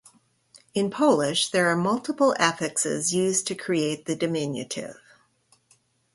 In Polish, there are multiple affixes used to create the diminutive.